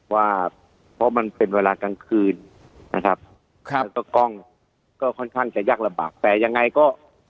ว่าเพราะมันเป็นเวลากลางคืนนะครับครับแล้วก็กล้องก็ค่อนข้างจะยากลำบากแต่ยังไงก็